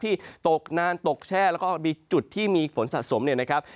ที่ตกนานตกแช่และมีจุดที่มีฝนสะสมแหละครับ